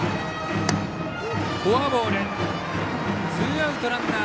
フォアボール。